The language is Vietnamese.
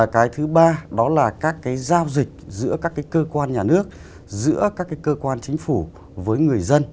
cái thứ ba đó là các cái giao dịch giữa các cái cơ quan nhà nước giữa các cái cơ quan chính phủ với người dân